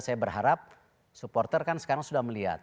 saya berharap supporter kan sekarang sudah melihat